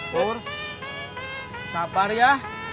pur sabar ya